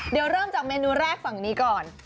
เดี๋ยวเริ่มจากเมนูแรกฝั่งนี้ก่อน